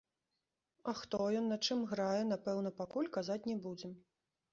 А хто ён, на чым грае, напэўна, пакуль казаць не будзем.